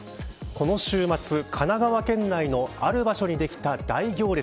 この週末、神奈川県内のある場所にできた大行列。